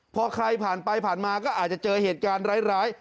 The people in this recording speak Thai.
พอใครผ่านไปผ่านมาก็อาจจะเจอเหตุการณ์ร้าย